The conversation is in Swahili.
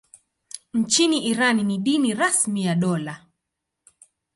Nchini Iran ni dini rasmi ya dola.